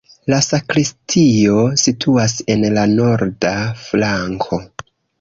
La sakristio situas en la norda flanko.